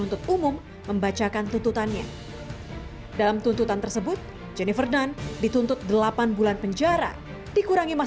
untuk meringankan ponis yang akan dijatuhkan oleh majelis hakim